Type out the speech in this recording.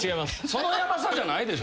そのヤバさじゃないでしょ。